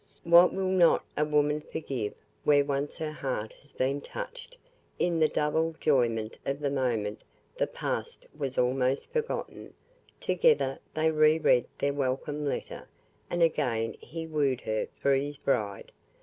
What will not a woman forgive where once her heart has been touched in the double joy of the moment the past was almost forgotten together they re read the welcome letter, and again he wooed her for his bride.